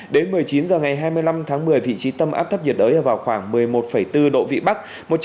đến một mươi chín h ngày hai mươi năm tháng một mươi vị trí tâm áp thấp nhiệt đới ở vào khoảng một mươi một bốn độ vĩ bắc